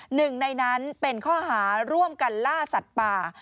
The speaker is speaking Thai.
หนึ่งในนั้นเป็นข้อหาร่วมกันล่าสัตว์ป่า